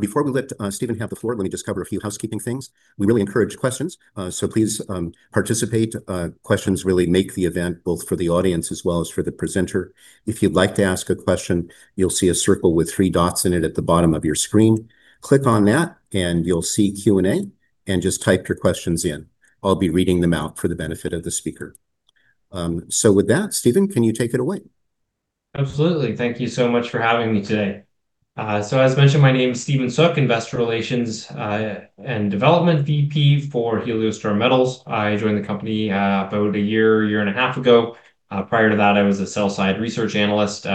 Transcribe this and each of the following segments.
Before we let Stephen have the floor, let me just cover a few housekeeping things. We really encourage questions, so please participate. Questions really make the event, both for the audience as well as for the presenter. If you'd like to ask a question, you will see a circle with three dots in it at the bottom of your screen. Click on that and you will see Q&A, and just type your questions in. I will be reading them out for the benefit of the speaker. With that, Stephen, can you take it away? Absolutely. Thank you so much for having me today. As mentioned, my name is Stephen Soock, VP Investor Relations and Development for Heliostar Metals. I joined the company about a year and a half ago. Prior to that, I was a sell-side research analyst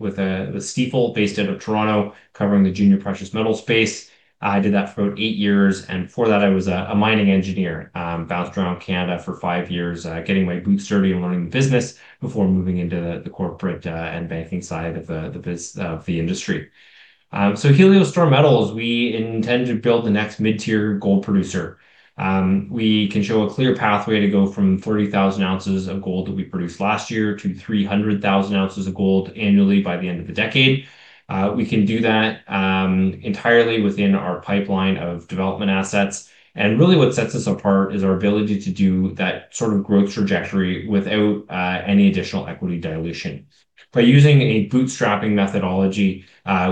with Stifel based out of Toronto, covering the junior precious metal space. I did that for about eight years, and before that I was a mining engineer. Bounced around Canada for five years, getting my boots dirty and learning the business before moving into the corporate and banking side of the industry. Heliostar Metals, we intend to build the next mid-tier gold producer. We can show a clear pathway to go from 30,000 ounces of gold that we produced last year to 300,000 ounces of gold annually by the end of the decade. We can do that entirely within our pipeline of development assets. Really what sets us apart is our ability to do that sort of growth trajectory without any additional equity dilution. By using a bootstrapping methodology,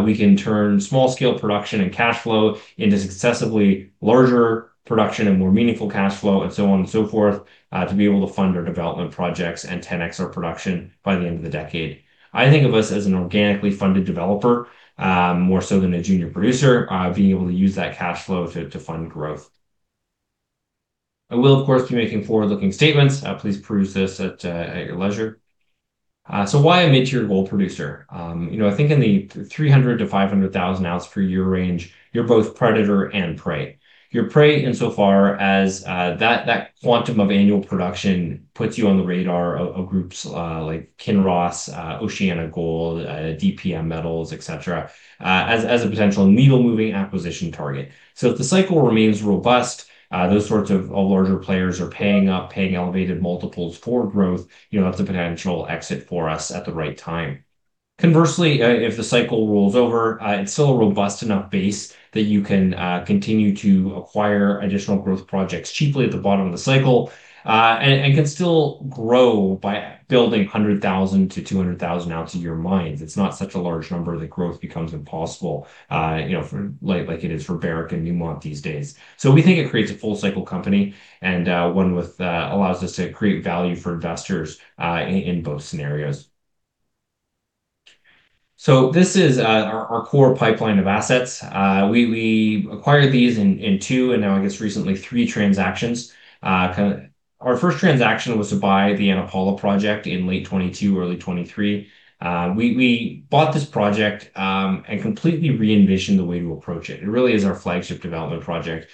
we can turn small-scale production and cash flow into successively larger production and more meaningful cash flow, and so on and so forth, to be able to fund our development projects and 10x our production by the end of the decade. I think of us as an organically funded developer, more so than a junior producer, being able to use that cash flow to fund growth. I will, of course, be making forward-looking statements. Please peruse this at your leisure. Why a mid-tier gold producer? I think in the 300,000 ounce-500,000 ounce per year range, you're both predator and prey. You're prey insofar as that quantum of annual production puts you on the radar of groups like Kinross, OceanaGold, DPM Metals, et cetera, as a potential needle moving acquisition target. If the cycle remains robust, those sorts of larger players are paying up, paying elevated multiples for growth. That's a potential exit for us at the right time. Conversely, if the cycle rolls over, it's still a robust enough base that you can continue to acquire additional growth projects cheaply at the bottom of the cycle, and can still grow by building 100,000 ounce-200,000 ounce a year mines. It's not such a large number that growth becomes impossible like it is for Barrick and Newmont these days. We think it creates a full-cycle company and one which allows us to create value for investors in both scenarios. This is our core pipeline of assets. We acquired these in two, and now I guess recently, three transactions. Our first transaction was to buy the Ana Paula project in late 2022, early 2023. We bought this project and completely re-envisioned the way to approach it. It really is our flagship development project.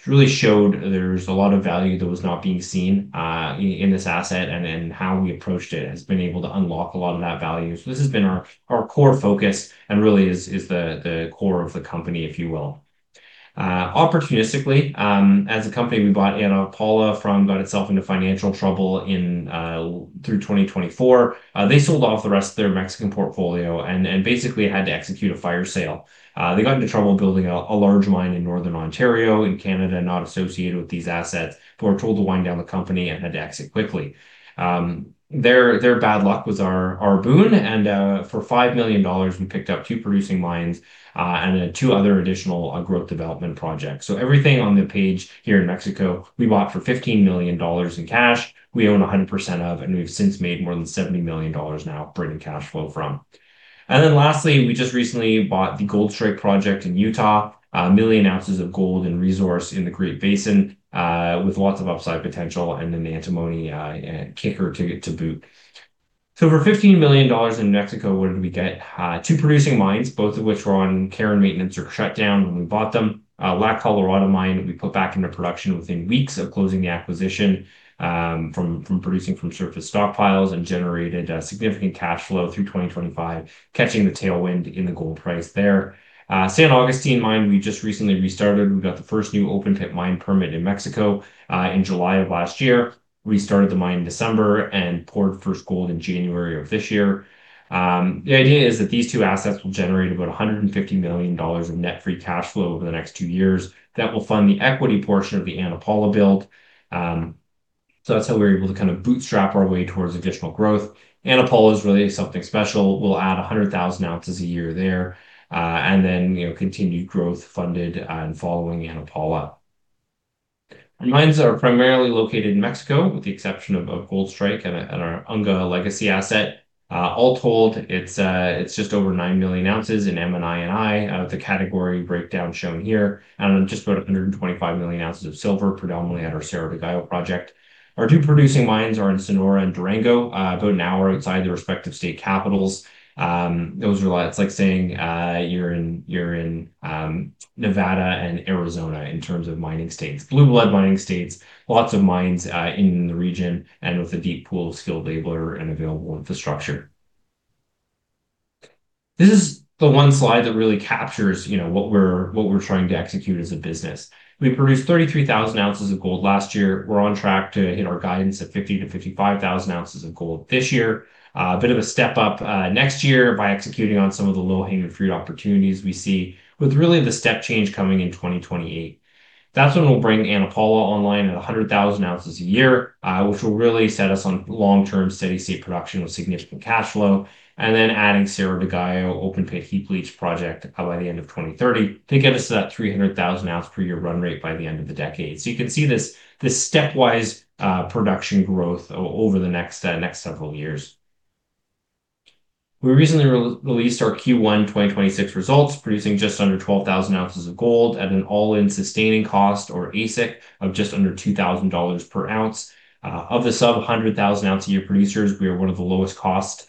It really showed there was a lot of value that was not being seen in this asset, and in how we approached it has been able to unlock a lot of that value. This has been our core focus and really is the core of the company, if you will. Opportunistically, as a company, we bought Ana Paula. Got itself into financial trouble through 2024. They sold off the rest of their Mexican portfolio and basically had to execute a fire sale. They got into trouble building a large mine in northern Ontario in Canada, not associated with these assets, but were told to wind down the company and had to exit quickly. Their bad luck was our boon and, for $5 million, we picked up two producing mines, and then two other additional growth development projects. Everything on the page here in Mexico, we bought for $15 million in cash, we own 100% of, and we've since made more than $70 million now bringing cash flow from. Lastly, we just recently bought the Goldstrike project in Utah. 1 million ounces of gold in resource in the Great Basin, with lots of upside potential, and an antimony kicker to boot. For $15 million in Mexico, what did we get? Two producing mines, both of which were on care and maintenance or shut down when we bought them. La Colorada mine we put back into production within weeks of closing the acquisition, from producing from surface stockpiles and generated significant cash flow through 2025, catching the tailwind in the gold price there. San Agustin mine we just recently restarted. We got the first new open-pit mine permit in Mexico, in July of last year. We started the mine in December and poured first gold in January of this year. The idea is that these two assets will generate about $150 million in net free cash flow over the next two years. That will fund the equity portion of the Ana Paula build. That's how we were able to bootstrap our way towards additional growth. Ana Paula is really something special. We'll add 100,000 ounces a year there. Continued growth funded and following Ana Paula. Our mines are primarily located in Mexico, with the exception of Goldstrike and our Unga legacy asset. All told, it's just over 9 million ounces in M&I&I of the category breakdown shown here, and just about 125 million ounces of silver, predominantly at our Cerro del Gallo project. Our two producing mines are in Sonora and Durango, about an hour outside their respective state capitals. It's like saying you're in Nevada and Arizona in terms of mining states. Blue blood mining states, lots of mines in the region, and with a deep pool of skilled labor and available infrastructure. This is the one slide that really captures what we're trying to execute as a business. We produced 33,000 ounces of gold last year. We're on track to hit our guidance of 50,000-55,000 ounces of gold this year. A bit of a step up next year by executing on some of the low-hanging fruit opportunities we see with really the step change coming in 2028. That's when we'll bring Ana Paula online at 100,000 ounces a year, which will really set us on long-term steady state production with significant cash flow. Adding Cerro del Gallo open pit heap leach project by the end of 2030 to get us to that 300,000 ounce per year run rate by the end of the decade. You can see this stepwise production growth over the next several years. We recently released our Q1 2026 results, producing just under 12,000 ounces of gold at an All-In Sustaining Cost or AISC of just under $2,000 per ounce. Of the sub 100,000 ounce a year producers, we have one of the lowest cost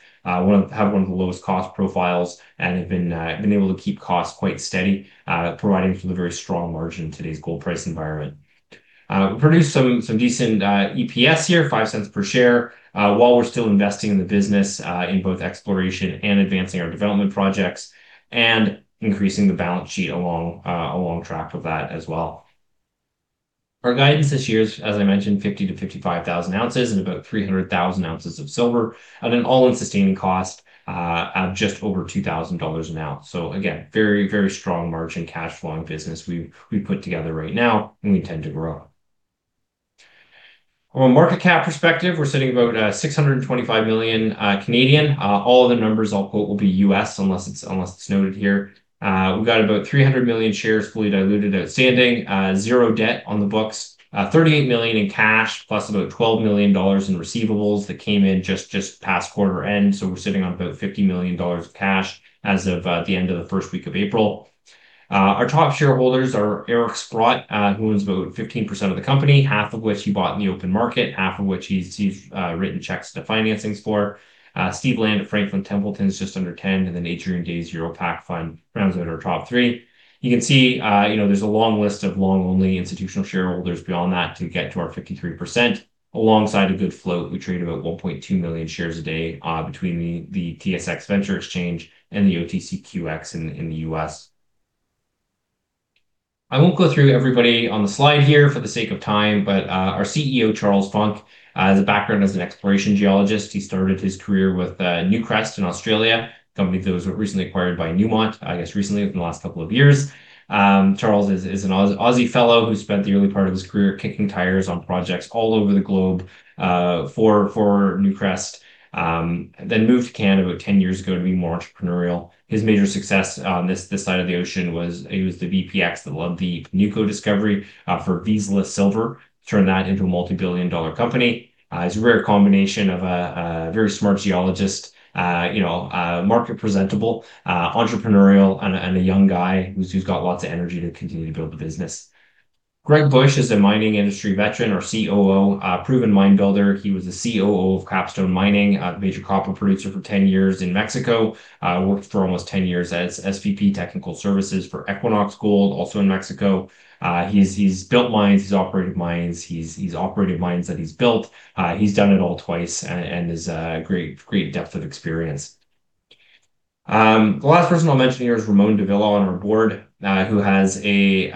profiles and have been able to keep costs quite steady, providing for the very strong margin in today's gold price environment. We produced some decent EPS here, $0.05 per share, while we're still investing in the business in both exploration and advancing our development projects and increasing the balance sheet along track with that as well. Our guidance this year is, as I mentioned, 50,000-55,000 ounces and about 300,000 ounces of silver at an All-In Sustaining Cost at just over $2,000 an ounce. Again, very, very strong margin cash flowing business we put together right now and we intend to grow. From a market cap perspective, we're sitting about 625 million. All of the numbers I'll quote will be U.S. unless it's noted here. We've got about 300 million shares fully diluted, outstanding, zero debt on the books, $38 million in cash, plus about $12 million in receivables that came in just past quarter end. We're sitting on about $50 million of cash as of the end of the first week of April. Our top shareholders are Eric Sprott, who owns about 15% of the company, half of which he bought in the open market, half of which he's written checks to financings for. Steve Land of Franklin Templeton is just under 10%, and Adrian Day's EuroPac Fund rounds out our top three. You can see there's a long list of long-only institutional shareholders beyond that to get to our 53%, alongside a good float. We trade about 1.2 million shares a day between the TSX Venture Exchange and the OTCQX in the U.S. I won't go through everybody on the slide here for the sake of time. Our CEO, Charles Funk, has a background as an exploration geologist. He started his career with Newcrest in Australia, a company that was recently acquired by Newmont, I guess recently within the last couple of years. Charles is an Aussie fellow who spent the early part of his career kicking tires on projects all over the globe for Newcrest, moved to Canada about 10 years ago to be more entrepreneurial. His major success on this side of the ocean was he was the VP Ex that led the Panuco discovery for Vizsla Silver, turned that into a multi-billion dollar company. He's a rare combination of a very smart geologist, market presentable, entrepreneurial, and a young guy who's got lots of energy to continue to build the business. Gregg Bush is a mining industry veteran, our COO, a proven mine builder. He was the COO of Capstone Mining, a major copper producer for 10 years in Mexico, worked for almost 10 years as SVP, Technical Services for Equinox Gold, also in Mexico. He's built mines, he's operated mines, he's operated mines that he's built. He's done it all twice and has great depth of experience. The last person I'll mention here is Ramon Dávila on our board, who has a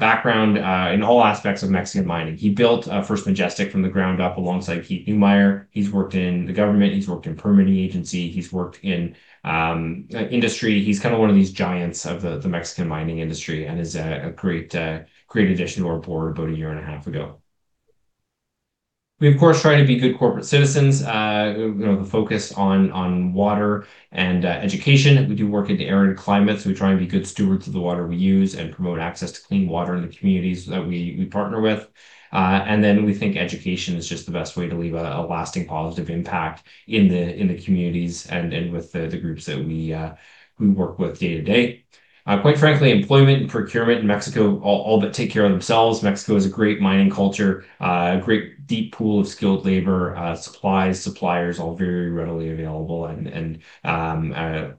background in all aspects of Mexican mining. He built First Majestic from the ground up alongside Keith Neumeyer. He's worked in the government, he's worked in permitting agency, he's worked in industry. He's one of these giants of the Mexican mining industry and is a great addition to our board about a year and a half ago. We, of course, try to be good corporate citizens with a focus on water and education. We do work in the arid climates. We try and be good stewards of the water we use and promote access to clean water in the communities that we partner with. We think education is just the best way to leave a lasting positive impact in the communities and with the groups that we work with day to day. Quite frankly, employment and procurement in Mexico all but take care of themselves. Mexico has a great mining culture, a great deep pool of skilled labor, supplies, suppliers, all very readily available, and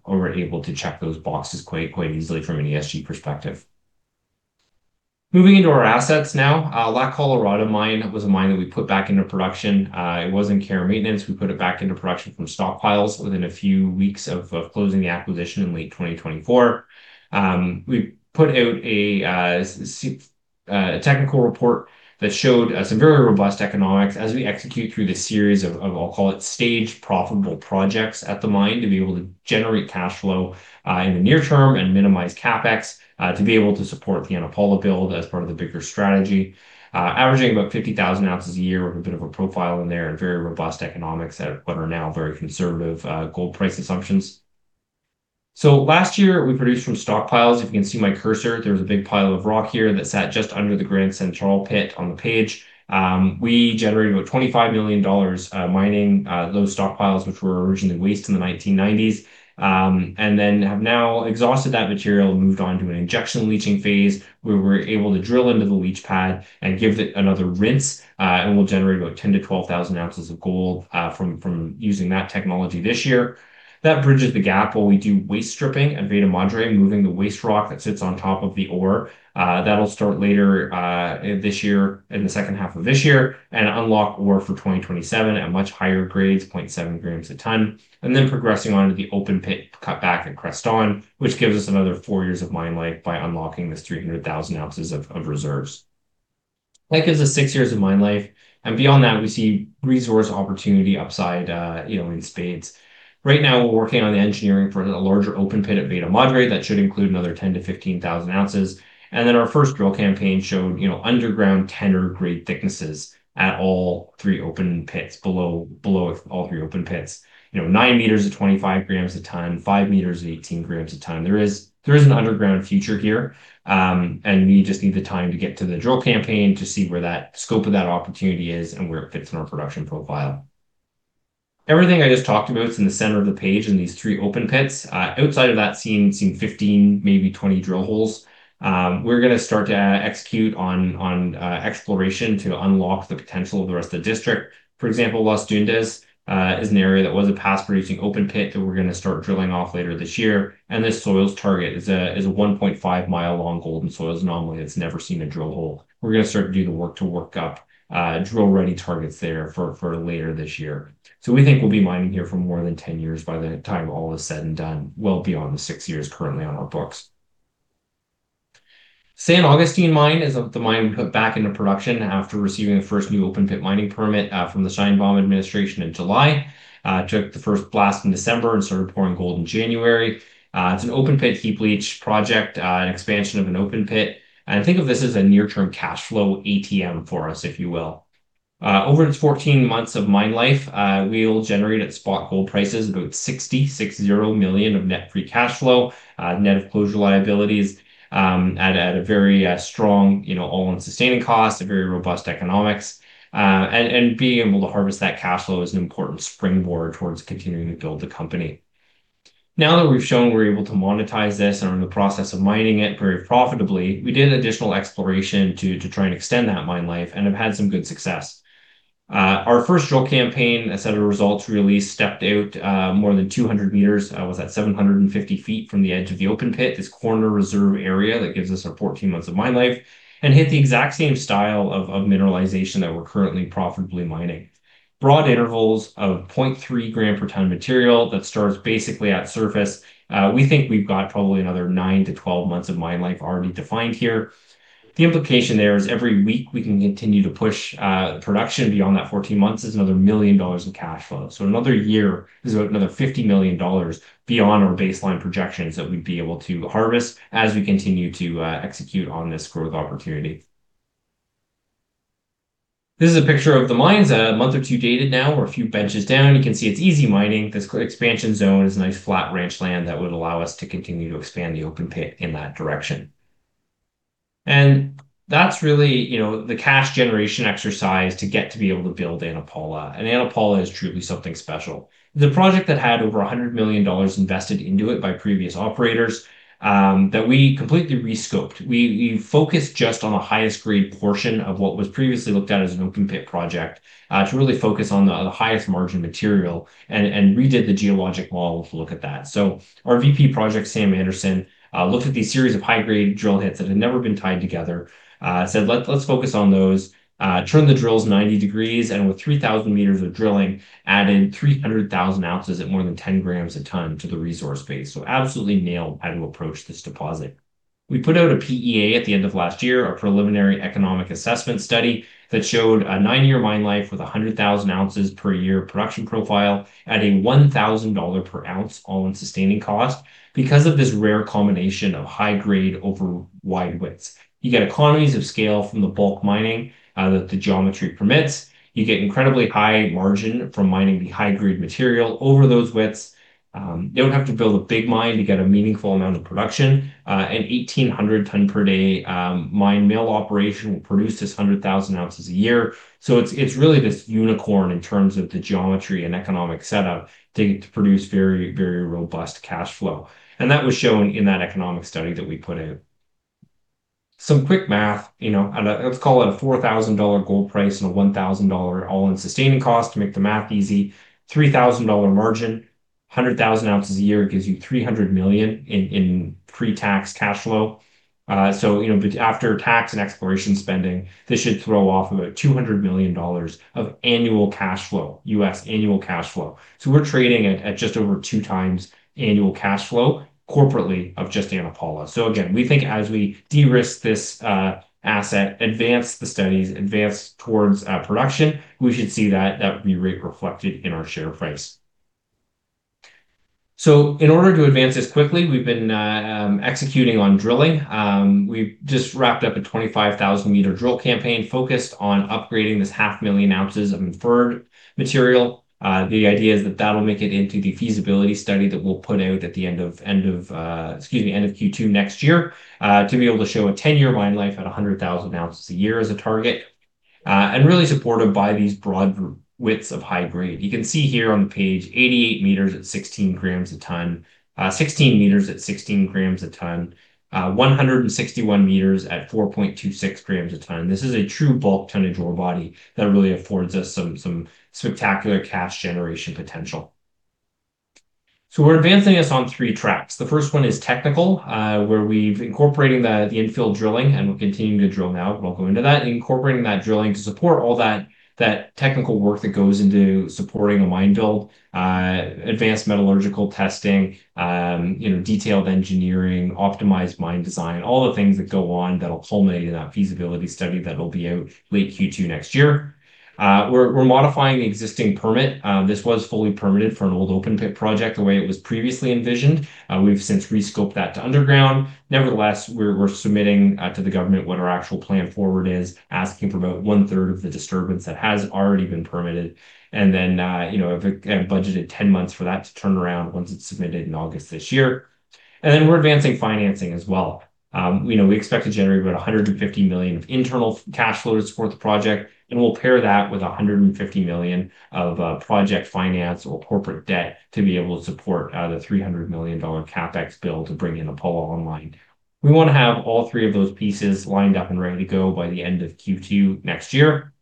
we're able to check those boxes quite easily from an ESG perspective. Moving into our assets now. La Colorada mine was a mine that we put back into production. It was in care and maintenance. We put it back into production from stockpiles within a few weeks of closing the acquisition in late 2024. We put out a technical report that showed some very robust economics as we execute through the series of, I'll call it staged profitable projects at the mine to be able to generate cash flow in the near term and minimize CapEx to be able to support the Ana Paula build as part of the bigger strategy. Averaging about 50,000 ounces a year with a bit of a profile in there and very robust economics at what are now very conservative gold price assumptions. Last year we produced from stockpiles. If you can see my cursor, there was a big pile of rock here that sat just under the Gran Central pit on the page. We generated about $25 million mining those stockpiles, which were originally waste in the 1990s, and then have now exhausted that material and moved on to an injection leaching phase where we're able to drill into the leach pad and give it another rinse, and we'll generate about 10,000 ounces-12,000 ounces of gold from using that technology this year. That bridges the gap while we do waste stripping and Veta Madre, moving the waste rock that sits on top of the ore. That'll start later this year, in the second half of this year, and unlock ore for 2027 at much higher grades, 0.7 g a ton. Progressing on to the open pit cut back at Creston, which gives us another four years of mine life by unlocking this 300,000 ounces of reserves. That gives us six years of mine life, beyond that, we see resource opportunity upside in spades. Right now, we're working on the engineering for a larger open pit at Veta Madre that should include another 10,000-15,000 ounces. Our first drill campaign showed underground tenor grade thicknesses at all three open pits, below all three open pits. 9 m at 25 g a ton, 5 m at 18 g a ton. There is an underground future here, we just need the time to get to the drill campaign to see where that scope of that opportunity is and where it fits in our production profile. Everything I just talked about is in the center of the page in these three open pits. Outside of that scene, 15, maybe 20 drill holes. We're going to start to execute on exploration to unlock the potential of the rest of the district. For example, Las Dundas is an area that was a past-producing open pit that we're going to start drilling off later this year. This soils target is a 1.5 mi long gold and soils anomaly that's never seen a drill hole. We're going to start to do the work to work up drill-ready targets there for later this year. We think we'll be mining here for more than 10 years by the time all is said and done, well beyond the six years currently on our books. San Agustin Mine is the mine we put back into production after receiving the first new open pit mining permit from the Sheinbaum administration in July. Took the first blast in December and started pouring gold in January. It's an open pit heap leach project, an expansion of an open pit. Think of this as a near-term cash flow ATM for us, if you will. Over its 14 months of mine life, we will generate at spot gold prices about 60 million of net free cash flow, net of closure liabilities, at a very strong All-In Sustaining Cost, a very robust economics. Being able to harvest that cash flow is an important springboard towards continuing to build the company. Now that we've shown we're able to monetize this and are in the process of mining it very profitably, we did additional exploration to try and extend that mine life and have had some good success. Our first drill campaign, a set of results released, stepped out more than 200 m. It was at 750 ft from the edge of the open pit, this corner reserve area that gives us our 14 months of mine life, and hit the exact same style of mineralization that we're currently profitably mining. Broad intervals of 0.3 g per ton of material that starts basically at surface. We think we've got probably another nine to 12 months of mine life already defined here. The implication there is every week we can continue to push production beyond that 14 months is another $1 million in cash flow. Another year is about another $50 million beyond our baseline projections that we'd be able to harvest as we continue to execute on this growth opportunity. This is a picture of the mines, a month or two dated now. We're a few benches down. You can see it's easy mining. This expansion zone is a nice flat ranch land that would allow us to continue to expand the open pit in that direction. That's really the cash generation exercise to get to be able to build Ana Paula. Ana Paula is truly something special. The project that had over $100 million invested into it by previous operators that we completely re-scoped. We focused just on the highest grade portion of what was previously looked at as an open pit project to really focus on the highest margin material and redid the geologic model to look at that. Our VP, Projects, Sam Anderson, looked at these series of high-grade drill hits that had never been tied together. Said, "Let's focus on those." Turned the drills 90 degrees and with 3,000 m of drilling, added 300,000 ounces at more than 10 g a ton to the resource base. Absolutely nailed how to approach this deposit. We put out a PEA at the end of last year, a preliminary economic assessment study, that showed a nine-year mine life with 100,000 ounces per year production profile at a $1,000 per ounce All-In Sustaining Cost because of this rare combination of high grade over wide widths. You get economies of scale from the bulk mining that the geometry permits. You get incredibly high margin from mining the high-grade material over those widths. You don't have to build a big mine to get a meaningful amount of production. An 1,800 ton per day mine mill operation will produce this 100,000 ounces a year. It's really this unicorn in terms of the geometry and economic setup to produce very, very robust cash flow. That was shown in that economic study that we put out. Some quick math. Let's call it a $4,000 gold price and a $1,000 All-In Sustaining Cost to make the math easy. $3,000 margin, 100,000 ounces a year gives you $300 million in pre-tax cash flow. After tax and exploration spending, this should throw off about $200 million of annual cash flow, U.S. annual cash flow. We're trading at just over 2 times annual cash flow corporately of just Ana Paula. Again, we think as we de-risk this asset, advance the studies, advance towards production, we should see that be reflected in our share price. In order to advance this quickly, we've been executing on drilling. We've just wrapped up a 25,000-meter drill campaign focused on upgrading this half million ounces of inferred material. The idea is that that'll make it into the feasibility study that we'll put out at the end of Q2 next year, to be able to show a 10-year mine life at 100,000 ounces a year as a target, and really supported by these broad widths of high grade. You can see here on the page, 88 meters at 16 grams a ton, 16 meters at 16 grams a ton, 161 meters at 4.26 grams a ton. This is a true bulk tonnage ore body that really affords us some spectacular cash generation potential. We're advancing this on three tracks. The first one is technical, where we've incorporating the infield drilling. We're continuing to drill now, we'll go into that. Incorporating that drilling to support all that technical work that goes into supporting a mine build, advanced metallurgical testing, detailed engineering, optimized mine design, all the things that go on that'll culminate in that feasibility study that'll be out late Q2 next year. We're modifying the existing permit. This was fully permitted for an old open pit project the way it was previously envisioned. We've since re-scoped that to underground. Nevertheless, we're submitting to the government what our actual plan forward is, asking for about one-third of the disturbance that has already been permitted. Then, have budgeted 10 months for that to turn around once it's submitted in August this year. Then we're advancing financing as well. We expect to generate about $150 million of internal cash flows for the project, and we'll pair that with $150 million of project finance or corporate debt to be able to support the $300 million CapEx bill to bring in the Panuco online. We want to have all three of those pieces lined up and ready to go by the end of Q2 next year.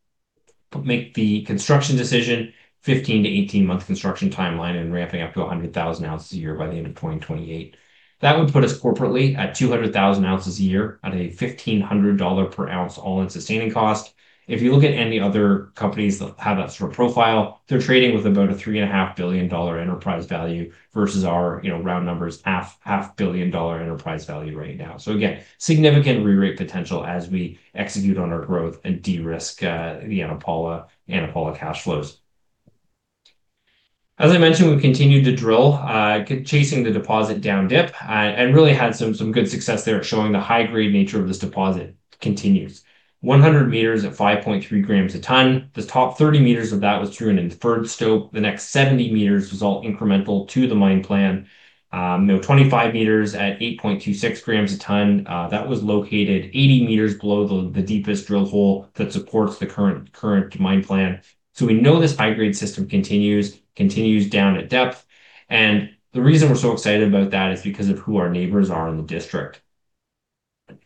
Make the construction decision 15-18 month construction timeline and ramping up to 100,000 ounces a year by the end of 2028. That would put us corporately at 200,000 ounces a year at a $1,500 per ounce All-In Sustaining Cost. If you look at any other companies that have that sort of profile, they're trading with about a $3.5 billion enterprise value versus our, round numbers, half billion dollar enterprise value right now. Again, significant re-rate potential as we execute on our growth and de-risk the Ana Paula cash flows. As I mentioned, we've continued to drill, chasing the deposit down dip, and really had some good success there at showing the high-grade nature of this deposit continues. 100 meters at 5.3 grams a ton. This top 30 meters of that was true in a inferred stope. The next 70 meters was all incremental to the mine plan. 25 meters at 8.26 grams a ton, that was located 80 meters below the deepest drill hole that supports the current mine plan. We know this high-grade system continues down at depth, and the reason we're so excited about that is because of who our neighbors are in the district.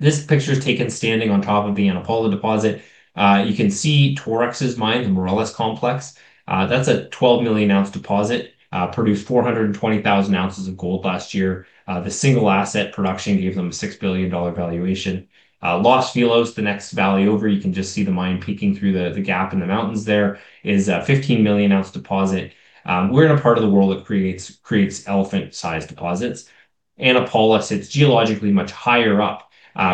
This picture's taken standing on top of the Ana Paula deposit. You can see Torex's mine, the Morelos Complex. That's a 12 million-ounce deposit, produced 420,000 ounces of gold last year. The single asset production gave them a $6 billion valuation. Los Filos, the next valley over, you can just see the mine peeking through the gap in the mountains there, is a 15 million-ounce deposit. We're in a part of the world that creates elephant-sized deposits. Ana Paula sits geologically much higher up,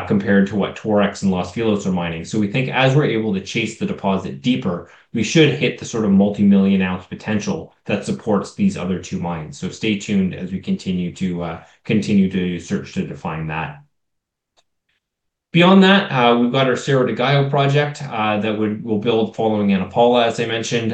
compared to what Torex and Los Filos are mining. We think as we're able to chase the deposit deeper, we should hit the sort of multimillion-ounce potential that supports these other two mines. Stay tuned as we continue to search to define that. Beyond that, we've got our Cerro del Gallo project that we'll build following Ana Paula, as I mentioned.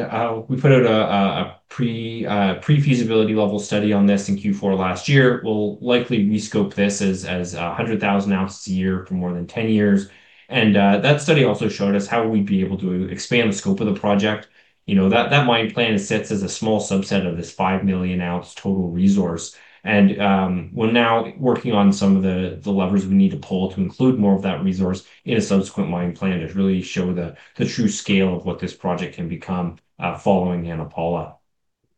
We put out a pre-feasibility level study on this in Q4 last year. We'll likely re-scope this as 100,000 ounces a year for more than 10 years. That study also showed us how we'd be able to expand the scope of the project. That mine plan sits as a small subset of this 5 million-ounce total resource. We're now working on some of the levers we need to pull to include more of that resource in a subsequent mine plan to really show the true scale of what this project can become following Ana Paula.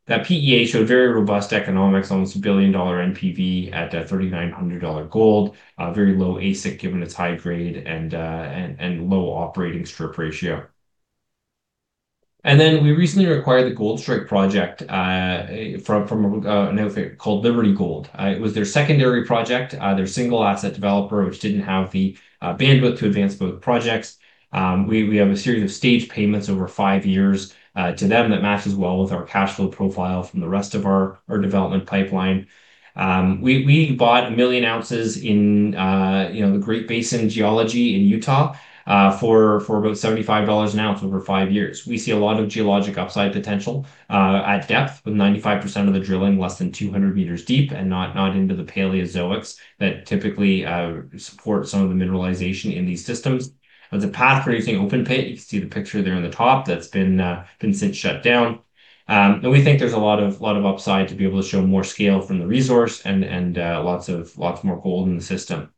That PEA showed very robust economics, almost a $1 billion NPV at a $3,900 gold. Very low AISC given its high grade and low operating strip ratio. We recently acquired the Goldstrike project, from an outfit called Liberty Gold. It was their secondary project, their single asset developer, which didn't have the bandwidth to advance both projects. We have a series of staged payments over five years to them that matches well with our cash flow profile from the rest of our development pipeline. We bought 1 million ounces in the Great Basin geology in Utah, for about $75 an ounce over five years. We see a lot of geologic upside potential, at depth, with 95% of the drilling less than 200 m deep and not into the Paleozoics that typically support some of the mineralization in these systems. It was a path-producing open pit. You can see the picture there on the top that's been since shut down. We think there's a lot of upside to be able to show more scale from the resource and lots more gold in the system.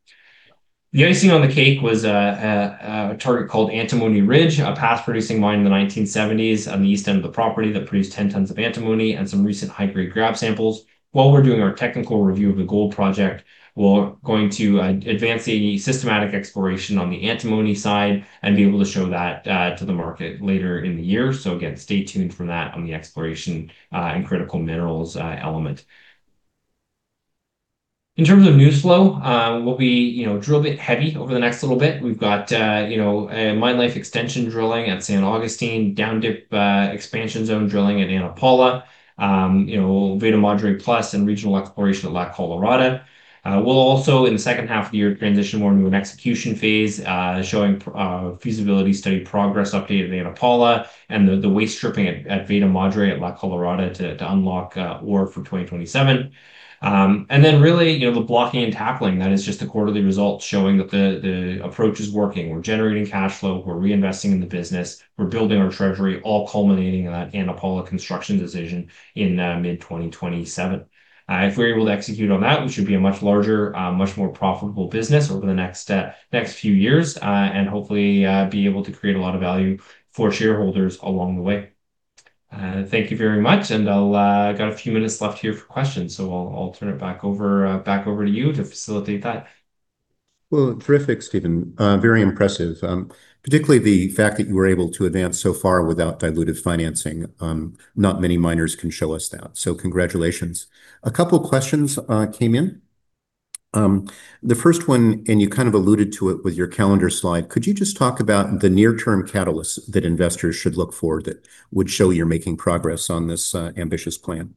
The icing on the cake was a target called Antimony Ridge, a path-producing mine in the 1970s on the east end of the property that produced 10 tons of antimony and some recent high-grade grab samples. While we're doing our technical review of the gold project, we're going to advance the systematic exploration on the antimony side and be able to show that to the market later in the year. Again, stay tuned for that on the exploration, and critical minerals element. In terms of news flow, we'll be drill bit heavy over the next little bit. We've got mine life extension drilling at San Agustin, down-dip expansion zone drilling at Ana Paula, Veta Madre Plus and regional exploration at La Colorada. We'll also, in the second half of the year, transition more into an execution phase, showing feasibility study progress update at Ana Paula and the waste stripping at Veta Madre at La Colorada to unlock ore for 2027. Really, the blocking and tackling, that is just the quarterly results showing that the approach is working. We're generating cash flow, we're reinvesting in the business, we're building our treasury, all culminating in that Ana Paula construction decision in mid 2027. If we're able to execute on that, we should be a much larger, much more profitable business over the next few years. Hopefully, be able to create a lot of value for shareholders along the way. Thank you very much. I've got a few minutes left here for questions, so I'll turn it back over to you to facilitate that. Terrific, Stephen. Very impressive, particularly the fact that you were able to advance so far without diluted financing. Not many miners can show us that. Congratulations. A couple of questions came in. The first one, you kind of alluded to it with your calendar slide, could you just talk about the near-term catalysts that investors should look for that would show you're making progress on this ambitious plan?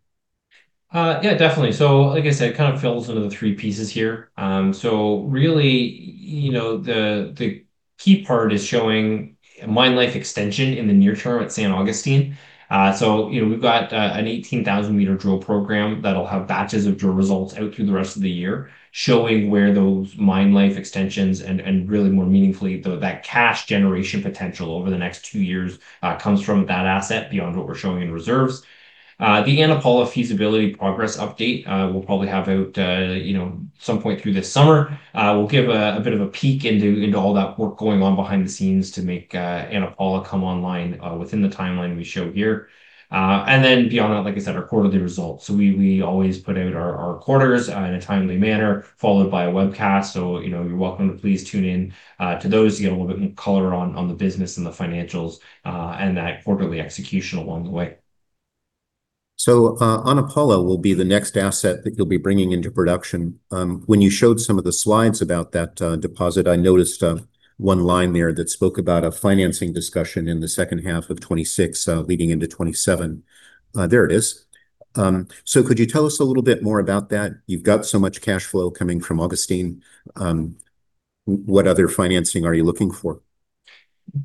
Yeah, definitely. Like I said, it kind of falls into the three pieces here. Really, the key part is showing mine life extension in the near term at San Agustin. We've got an 18,000-m drill program that'll have batches of drill results out through the rest of the year, showing where those mine life extensions and, really more meaningfully, that cash generation potential over the next two years comes from that asset beyond what we're showing in reserves. The Ana Paula feasibility progress update we'll probably have out at some point through this summer. We'll give a bit of a peek into all that work going on behind the scenes to make Ana Paula come online within the timeline we show here. Beyond that, like I said, our quarterly results. We always put out our quarters in a timely manner, followed by a webcast. You're welcome to please tune in to those to get a little bit more color on the business and the financials and that quarterly execution along the way. Ana Paula will be the next asset that you'll be bringing into production. When you showed some of the slides about that deposit, I noticed one line there that spoke about a financing discussion in the second half of 2026, leading into 2027. There it is. Could you tell us a little bit more about that? You've got so much cash flow coming from San Agustin. What other financing are you looking for?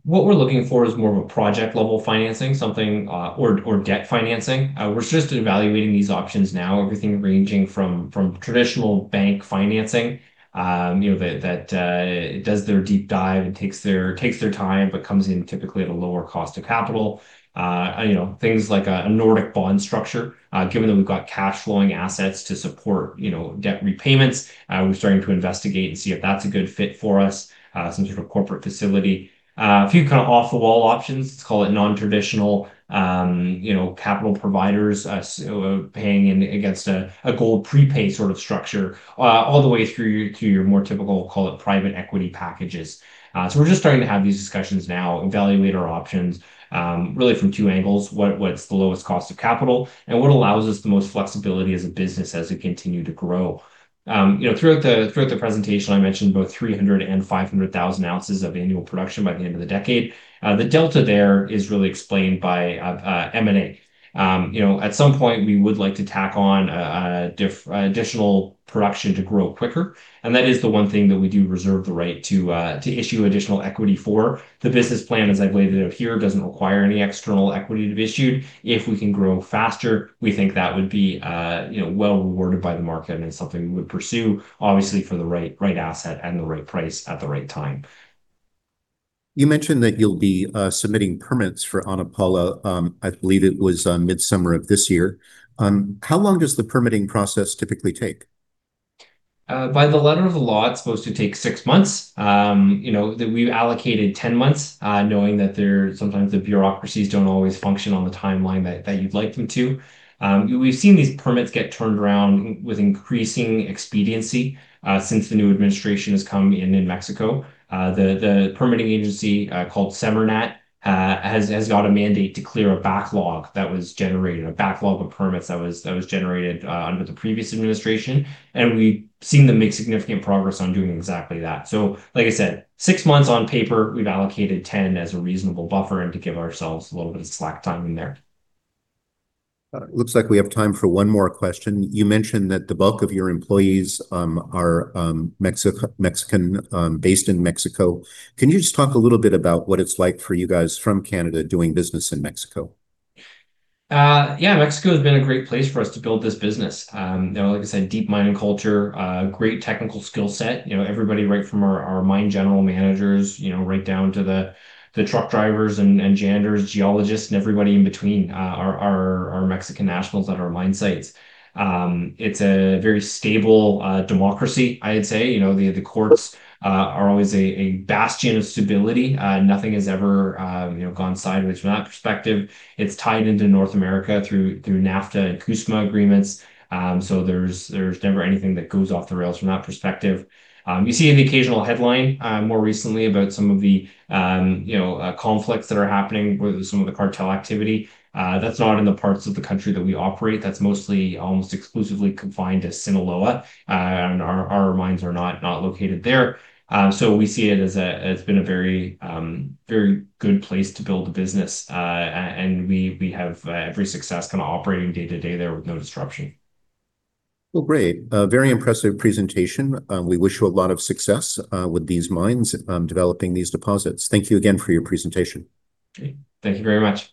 What we're looking for is more of a project-level financing or debt financing. We're just evaluating these options now, everything ranging from traditional bank financing, that does their deep dive and takes their time but comes in typically at a lower cost of capital. Things like a Nordic bond structure. Given that we've got cash-flowing assets to support debt repayments, we're starting to investigate and see if that's a good fit for us, some sort of corporate facility. A few kind of off-the-wall options, let's call it nontraditional capital providers paying in against a gold prepaid sort of structure, all the way through to your more typical, call it, private equity packages. We're just starting to have these discussions now and evaluate our options really from two angles, what's the lowest cost of capital and what allows us the most flexibility as a business as we continue to grow. Throughout the presentation, I mentioned both 300,000 and 500,000 ounces of annual production by the end of the decade. The delta there is really explained by M&A. At some point, we would like to tack on additional production to grow quicker, and that is the one thing that we do reserve the right to issue additional equity for. The business plan, as I've laid it out here, doesn't require any external equity to be issued. If we can grow faster, we think that would be well-rewarded by the market and is something we would pursue, obviously for the right asset and the right price at the right time. You mentioned that you'll be submitting permits for Ana Paula, I believe it was midsummer of this year. How long does the permitting process typically take? By the letter of the law, it's supposed to take six months. We've allocated 10 months, knowing that sometimes the bureaucracies don't always function on the timeline that you'd like them to. We've seen these permits get turned around with increasing expediency since the new administration has come in in Mexico. The permitting agency, called SEMARNAT, has got a mandate to clear a backlog that was generated, a backlog of permits that was generated under the previous administration. We've seen them make significant progress on doing exactly that. Like I said, six months on paper. We've allocated 10 as a reasonable buffer and to give ourselves a little bit of slack time in there. Looks like we have time for one more question. You mentioned that the bulk of your employees are Mexican, based in Mexico. Can you just talk a little bit about what it's like for you guys from Canada doing business in Mexico? Yeah, Mexico's been a great place for us to build this business. Like I said, deep mining culture, great technical skill set. Everybody right from our mine general managers right down to the truck drivers and janitors, geologists and everybody in between are Mexican nationals at our mine sites. It's a very stable democracy, I'd say. The courts are always a bastion of stability. Nothing has ever gone sideways from that perspective. It's tied into North America through NAFTA and USMCA agreements, so there's never anything that goes off the rails from that perspective. You see in the occasional headline, more recently, about some of the conflicts that are happening with some of the cartel activity. That's not in the parts of the country that we operate. That's mostly almost exclusively confined to Sinaloa, and our mines are not located there. We see it as it's been a very good place to build a business, and we have every success kind of operating day to day there with no disruption. Well, great. A very impressive presentation. We wish you a lot of success with these mines, developing these deposits. Thank you again for your presentation. Great. Thank you very much.